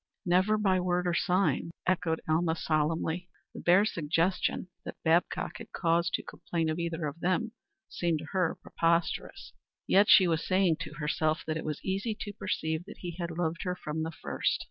"Never by word or sign," echoed Selma solemnly. The bare suggestion that Babcock had cause to complain of either of them seemed to her preposterous. Yet she was saying to herself that it was easy to perceive that he had loved her from the first.